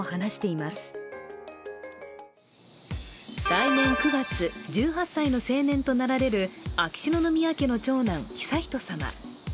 来年９月、１８歳の成年となられる秋篠宮家の長男・悠仁さま。